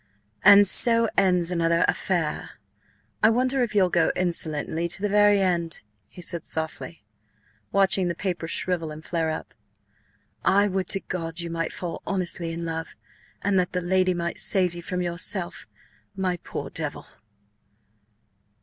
"And so ends another affaire. ... I wonder if you'll go insolently to the very end?" he said softly, watching the paper shrivel and flare up. "I would to God you might fall honestly in love–and that the lady might save you from yourself–my poor Devil!"